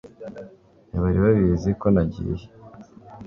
ntibari babizi ko nagiye